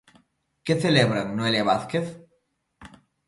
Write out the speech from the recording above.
Que celebran, Noelia Vázquez?